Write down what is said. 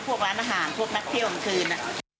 พวกร้านอาหารพวกนักเที่ยวกลางคืน